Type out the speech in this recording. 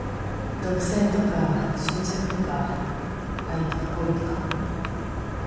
独占とか執着とか愛とか恋とか。